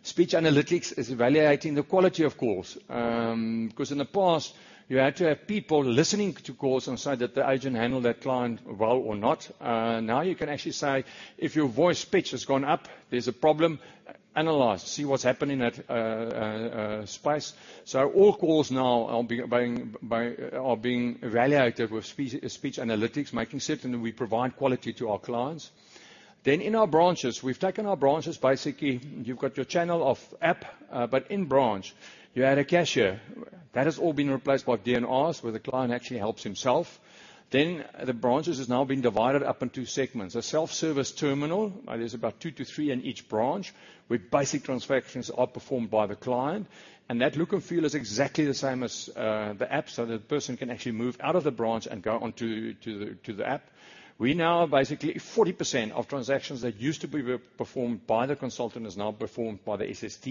Speech analytics is evaluating the quality of calls. 'Cause in the past, you had to have people listening to calls and say that the agent handled that client well or not. Now you can actually say, if your voice pitch has gone up, there's a problem, analyze, see what's happening at space. All calls now are being evaluated with Speech Analytics, making certain that we provide quality to our clients. In our branches, we've taken our branches. Basically, you've got your channel of app, but in branch you add a cashier. That has all been replaced by DNRs, where the client actually helps himself. The branches has now been divided up into segments. A self-service terminal. There's about two- in each branch, where basic transactions are performed by the client, and that look and feel is exactly the same as the app. The person can actually move out of the branch and go onto the app. We now have basically 40% of transactions that used to be re-performed by the consultant is now performed by the SST.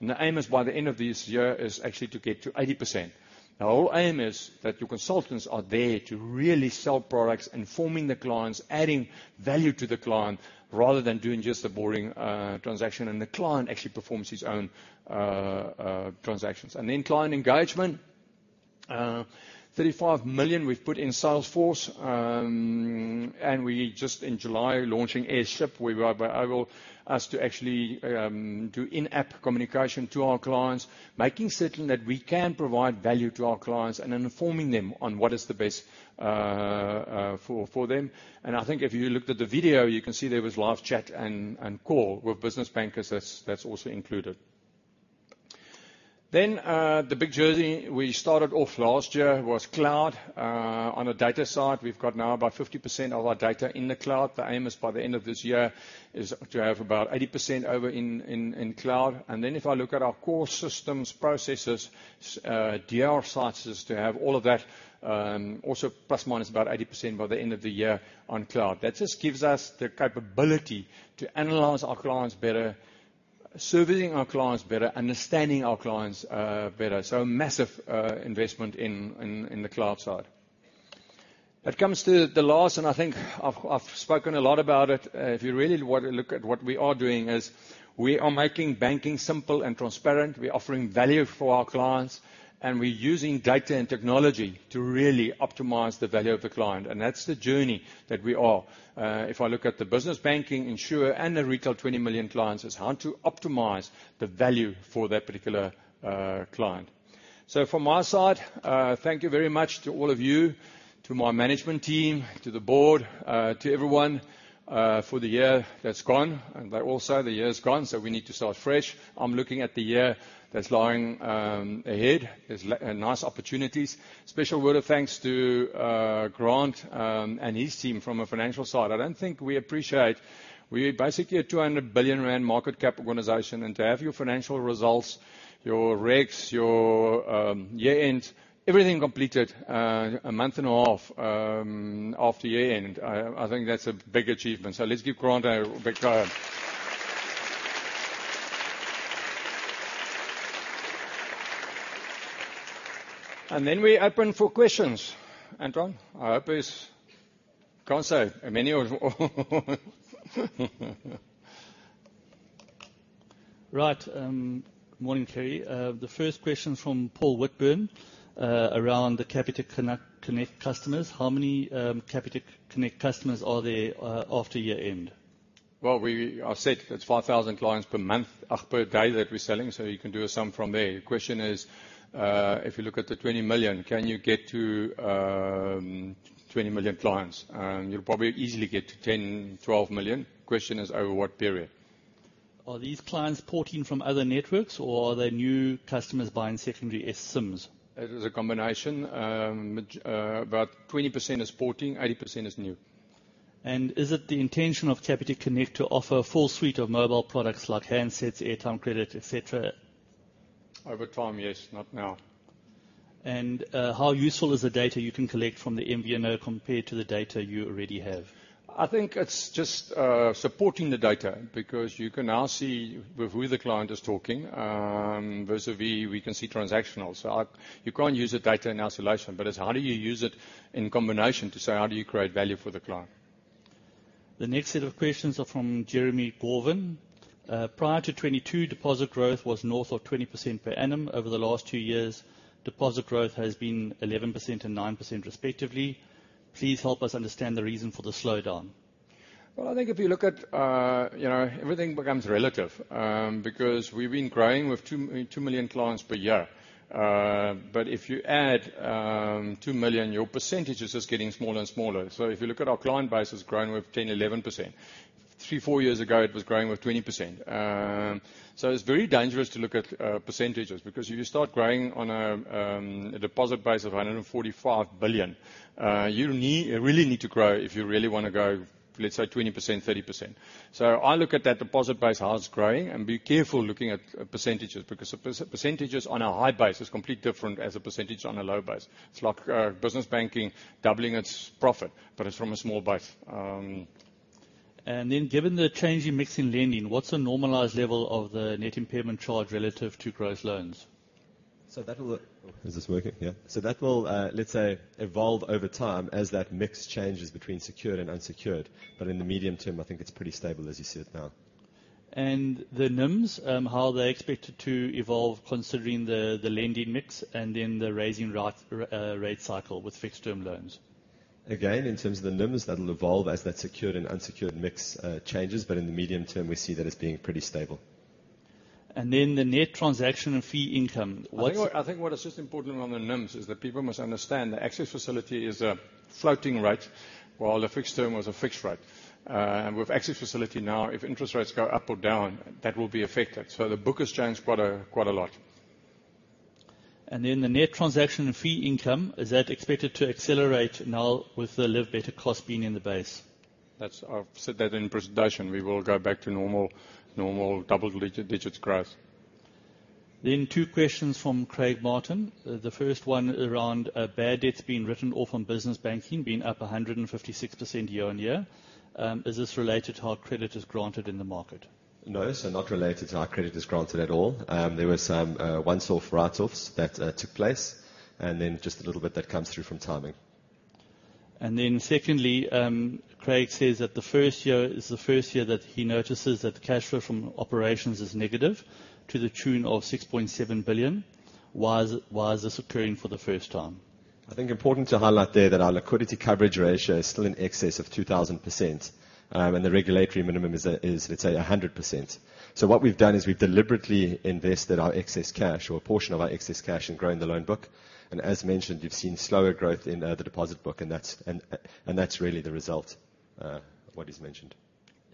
The aim is by the end of this year is actually to get to 80%. The whole aim is that your consultants are there to really sell products, informing the clients, adding value to the client, rather than doing just the boring transaction, and the client actually performs his own transactions. Client engagement. 35 million we've put in Salesforce. We just in July launching Airship, where by our us to actually do in-app communication to our clients, making certain that we can provide value to our clients and informing them on what is the best for them. I think if you looked at the video, you can see there was live chat and call with business bankers. That's also included. The big journey we started off last year was cloud. On a data side, we've got now about 50% of our data in the cloud. The aim is by the end of this year is to have about 80% over in cloud. Then if I look at our core systems, processes, DR sites, is to have all of that also plus minus about 80% by the end of the year on cloud. That just gives us the capability to analyze our clients better, servicing our clients better, understanding our clients better. Massive investment in the cloud side. That comes to the last, and I think I've spoken a lot about it. If you really want to look at what we are doing is we are making banking simple and transparent. We're offering value for our clients, and we're using data and technology to really optimize the value of the client. That's the journey that we are. If I look at the business banking insurer and the retail, 20 million clients, is how to optimize the value for that particular client. From my side, thank you very much to all of you, to my management team, to the board, to everyone, for the year that's gone. The year is gone, so we need to start fresh. I'm looking at the year that's lying ahead. There's nice opportunities. Special word of thanks to Grant and his team from a financial side. I don't think we appreciate we're basically a 200 billion rand market cap organization. To have your financial results, your regs, your year-ends, everything completed, a month and a half after year-end, I think that's a big achievement. Let's give Grant a big round. We open for questions. Anton, I hope there's... Can't say. How many or. Right. Morning, Gerrie. The first question from Paul Whitburn, around the Capitec Connect customers. How many Capitec Connect customers are there after year-end? I said it's 5,000 clients per month, per day that we're selling, so you can do a sum from there. The question is, if you look at the 20 million, can you get to 20 million clients? You'll probably easily get to 10 million, 12 million. Question is, over what period? Are these clients porting from other networks or are they new customers buying secondary S SIMs? It is a combination. About 20% is porting, 80% is new. Is it the intention of Capitec Connect to offer a full suite of mobile products like handsets, airtime credit, et cetera? Over time, yes. Not now. How useful is the data you can collect from the MVNO compared to the data you already have? I think it's just supporting the data because you can now see with who the client is talking, vis-a-vis we can see transactional. You can't use the data in isolation, but it's how do you use it in combination to say, how do you create value for the client? The next set of questions are from Jeremy [Gorvin]. Prior to 2022, deposit growth was north of 20% per annum. Over the last two years, deposit growth has been 11% and 9% respectively. Please help us understand the reason for the slowdown. Well, I think if you look at, you know, everything becomes relative, because we've been growing with 2 million clients per year. If you add 2 million, your percentages is getting smaller and smaller. If you look at our client base has grown with 10%, 11%. Three, four years ago, it was growing with 20%. It's very dangerous to look at percentages, because if you start growing on a deposit base of 145 billion, you really need to grow if you really wanna grow, let's say 20%, 30%. I look at that deposit base, how it's growing, and be careful looking at percentages, because percentages on a high base is complete different as a percentage on a low base. It's like, business banking doubling its profit, but it's from a small base. Given the change in mix in lending, what's the normalized level of the net impairment charge relative to gross loans? Is this working? Yeah. That will, let's say, evolve over time as that mix changes between secured and unsecured. In the medium term, I think it's pretty stable as you see it now. The NIMs, how are they expected to evolve considering the lending mix and then the raising rate cycle with fixed-term loans? In terms of the NIMs, that'll evolve as that secured and unsecured mix changes. In the medium term, we see that as being pretty stable. The net transaction and fee income? I think what is just important on the NIMs is that people must understand the access facility is a floating rate, while the fixed term was a fixed rate. With access facility now, if interest rates go up or down, that will be affected. The book has changed quite a lot. The net transaction and fee income, is that expected to accelerate now with the Live Better cost being in the base? I've said that in presentation. We will go back to normal double digits growth. Two questions from Craig Martin. The first one around bad debts being written off on business banking being up 156% year-on-year. Is this related to how credit is granted in the market? Not related to how credit is granted at all. There were some one-off write-offs that took place, and then just a little bit that comes through from timing. Secondly, Craig says that the first year is the first year that he notices that cash flow from operations is negative to the tune of 6.7 billion. Why is this occurring for the first time? I think important to highlight there that our liquidity coverage ratio is still in excess of 2,000%, and the regulatory minimum is, let's say, 100%. What we've done is we've deliberately invested our excess cash or a portion of our excess cash in growing the loan book. As mentioned, you've seen slower growth in the deposit book, and that's really the result of what is mentioned.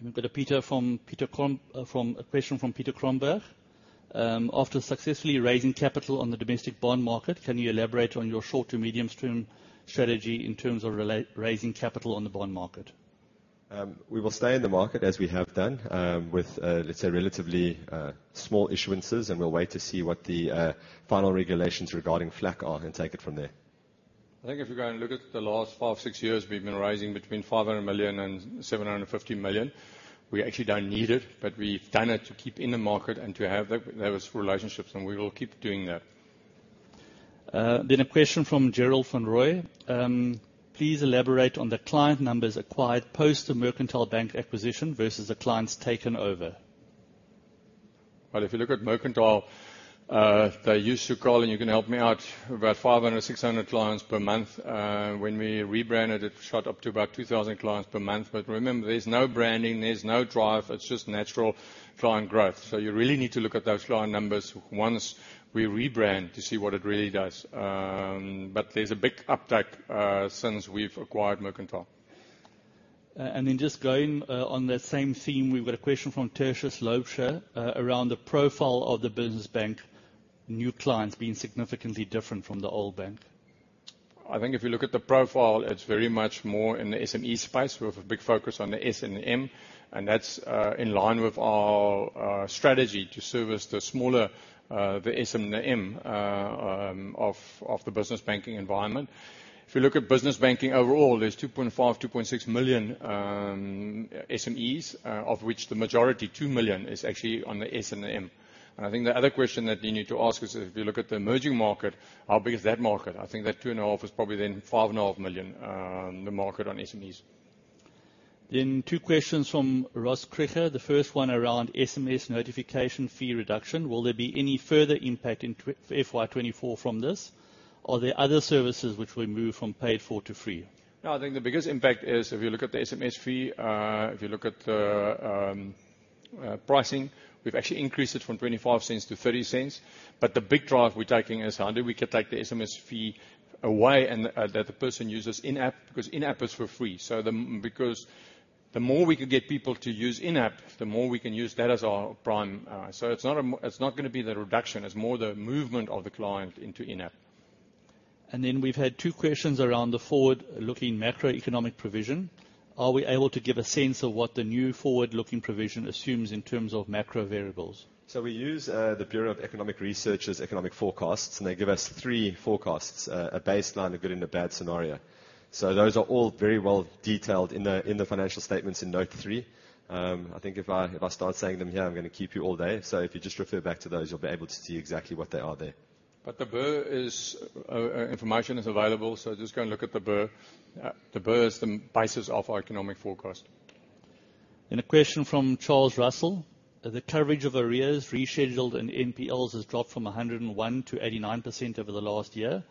We've got a question from Peter Cromberge. After successfully raising capital on the domestic bond market, can you elaborate on your short to medium stream strategy in terms of raising capital on the bond market? We will stay in the market as we have done, with, let's say, relatively, small issuances, and we'll wait to see what the final regulations regarding FLAC are and take it from there. I think if you go and look at the last five, six years, we've been raising between 500 million and 750 million. We actually don't need it, but we've done it to keep in the market and to have those relationships, and we will keep doing that. A question from Gerhard van Rooyen. Please elaborate on the client numbers acquired post the Mercantile Bank acquisition versus the clients taken over. Well, if you look at Mercantile, they used to call, and you can help me out here. About 500, 600 clients per month. When we rebranded, it shot up to about 2,000 clients per month. Remember, there's no branding, there's no drive. It's just natural client growth. You really need to look at those client numbers once we rebrand to see what it really does. There's a big uptick since we've acquired Mercantile. Just going, on the same theme. We've got a question from Tertius [Loacher], around the profile of the Business Bank, new clients being significantly different from the old bank. I think if you look at the profile, it's very much more in the SME space. We have a big focus on the S and the M, and that's in line with our strategy to service the smaller, the S and the M of the business banking environment. If you look at business banking overall, there's 2.5 million, 2.6 million SMEs, of which the majority, 2 million, is actually on the S and the M. I think the other question that you need to ask is, if you look at the emerging market, how big is that market? I think that 2.5 million is probably then 5.5 million, the market on SMEs. Two questions from Ross Krige. The first one around SMS notification fee reduction. Will there be any further impact in FY 2024 from this? Are there other services which will move from paid for to free? I think the biggest impact is if you look at the SMS fee, if you look at the pricing, we've actually increased it from 0.25 to 0.30. The big drive we're taking is how do we take the SMS fee away and that the person uses in-app 'cause in-app is for free. Because the more we can get people to use in-app, the more we can use that as our prime. It's not gonna be the reduction, it's more the movement of the client into in-app. We've had two questions around the forward-looking macroeconomic provision. Are we able to give a sense of what the new forward-looking provision assumes in terms of macro variables? We use the Bureau for Economic Research's economic forecasts, and they give us three forecasts, a baseline, a good, and a bad scenario. Those are all very well detailed in the financial statements in note three. I think if I start saying them here, I'm gonna keep you all day. If you just refer back to those, you'll be able to see exactly what they are there. The BER is information is available. Just go and look at the BER. The BER is the basis of our economic forecast. A question from Charles Russell. The coverage of arrears rescheduled and NPLs has dropped from 101% to 89% over the last year,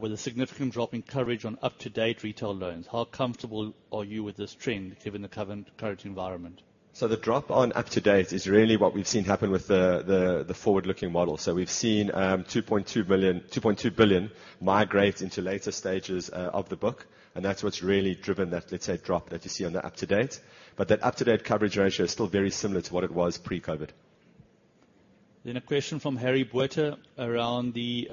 with a significant drop in coverage on up-to-date retail loans. How comfortable are you with this trend, given the current environment? The drop on up-to-date is really what we've seen happen with the forward-looking model. We've seen 2.2 billion migrate into later stages of the book, and that's what's really driven that, let's say, drop that you see on the up-to-date. That up-to-date coverage ratio is still very similar to what it was pre-COVID. A question from Harry Botha around the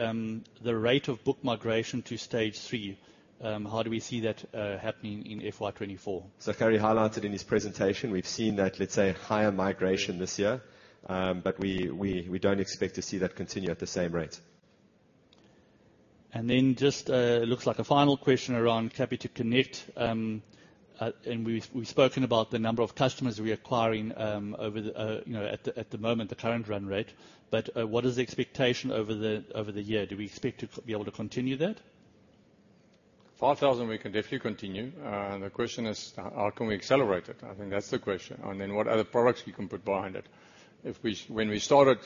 rate of book migration to stage three. How do we see that happening in FY 2024? Harry highlighted in his presentation, we've seen that, let's say, higher migration this year. We don't expect to see that continue at the same rate. Just, it looks like a final question around Capitec Connect. We've spoken about the number of customers we are acquiring over the, you know, at the moment, the current run rate. What is the expectation over the year? Do we expect to be able to continue that? 5,000 we can definitely continue. The question is how can we accelerate it? I think that's the question. What other products we can put behind it. When we started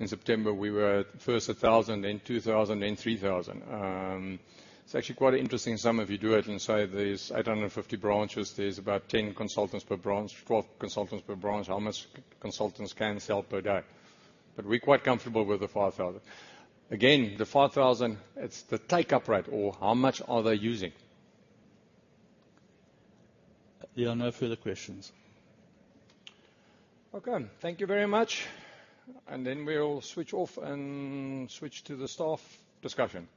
in September, we were first 1,000, then 2,000, then 3,000. It's actually quite interesting. Some of you do it and say there's 850 branches, there's about 10 consultants per branch, 12 consultants per branch. How much consultants can sell per day? We're quite comfortable with the 5,000. The 5,000, it's the take-up rate or how much are they using. There are no further questions. Okay, thank you very much. We'll switch off and switch to the staff discussion.